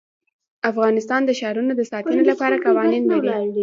افغانستان د ښارونو د ساتنې لپاره قوانین لري.